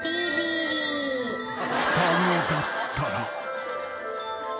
［双子だったら］